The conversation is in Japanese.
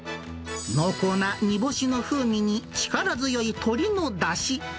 濃厚な煮干しの風味に、力強い鶏のだし。